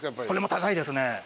これも高いですね。